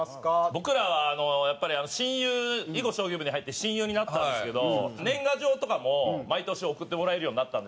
僕らはやっぱり親友囲碁・将棋部に入って親友になったんですけど年賀状とかも毎年送ってもらえるようになったんですけど。